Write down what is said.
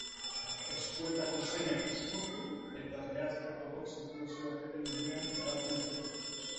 Eskuetako zainak uzkurtu eta behatzetako odol-zirkulazioa eteten denean garatzen da.